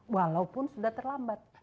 walaupun sudah terlambat